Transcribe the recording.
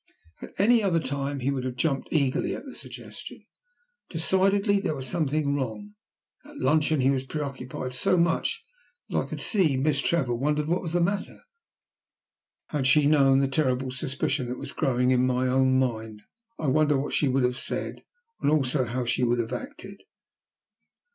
At any other time he would have jumped eagerly at the suggestion. Decidedly there was something wrong! At luncheon he was preoccupied, so much so that I could see Miss Trevor wondered what was the matter. Had she known the terrible suspicion that was growing in my own mind, I wonder what she would have said, and also how she would have acted?